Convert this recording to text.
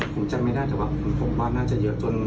ผมจำไม่ได้แต่ว่าผมว่าน่าจะเยอะจน